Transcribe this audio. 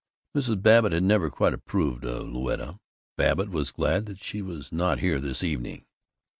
Mrs. Babbitt had never quite approved of Louetta; Babbitt was glad that she was not here this evening.